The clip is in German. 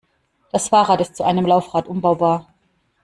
Das Fahrrad ist zu einem Laufrad umbaubar.